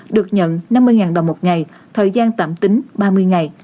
được nhận năm mươi đồng một ngày thời gian tạm tính ba mươi ngày